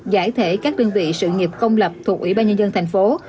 giải thể các đơn vị sự nghiệp công lập thuộc ủy ban nhân dân tp hcm